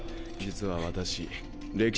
実は私。